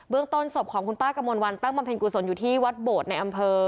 ต้นศพของคุณป้ากระมวลวันตั้งบำเพ็ญกุศลอยู่ที่วัดโบดในอำเภอ